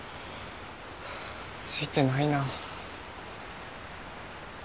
はぁついてないな。